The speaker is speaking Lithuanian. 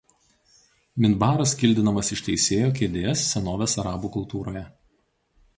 Minbaras kildinamas iš teisėjo kėdės senovės arabų kultūroje.